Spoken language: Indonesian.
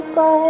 udah mulai baru